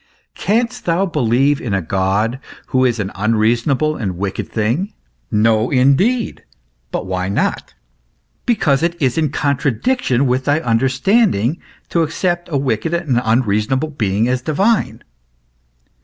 Canst thou believe in a God who is an unreasonable and wicked being ? No, indeed ; but why not ? Because it is in contradiction wdth thy understanding to accept a wicked and unreasonable being as divine.